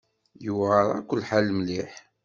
Yewɛer-ak lḥal mliḥ.